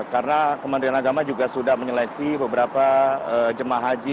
karena kementerian agama juga sudah menyeleksi beberapa jum'ah haji